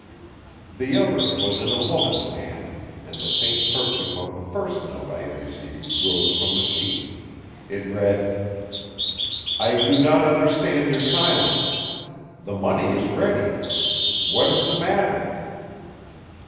The other was in a woman's hand, and the faint perfume of the first note I had received rose from the sheet. It read: "I do not understand your silence. The money is ready. What is the matter?"